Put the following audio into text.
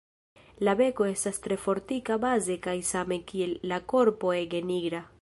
La beko estas tre fortika baze kaj same kiel la korpo ege nigra.